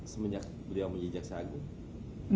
semuanya beri omongi jejak seagung